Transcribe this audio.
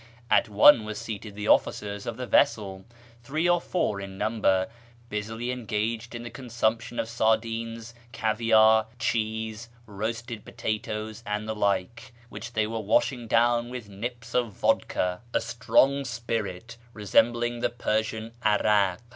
At one were seated the officers of the vessel (three or four in number), busily engaged in the consumption of sardines, caviare, cheese, roasted potatoes, and the like, which they were washing down with nips of vodka, a strong spirit, resembling the Persian 'arak.